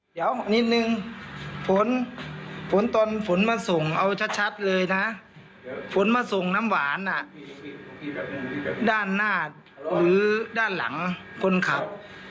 เดี๋ยวนิดนึงฝนตอนฝนมาส่งเอาชัดเลยนะฝนมาส่งน้ำหวานด้านหน้าหรือด้านหลังคนขับ